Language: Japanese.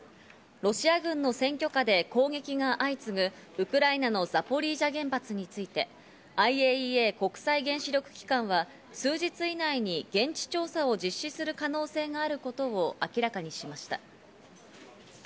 ロシア軍の占拠下で攻撃が相次ぐウクライナのザポリージャ原発について、ＩＡＥＡ＝国際原子力機関は数日以内に現地調査を実施する可能性があることを明らかにしました。